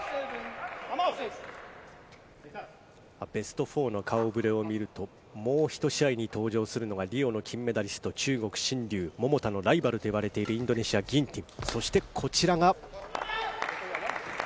ベスト４の顔ぶれを見ると、もうひと試合に登場するのは、リオの金メダリスト、中国シン・リュウ、桃田のライバルと言われている、インドネシア、ギンティン。